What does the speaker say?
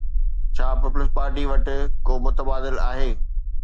ڇا پيپلز پارٽي وٽ ڪو متبادل آهي؟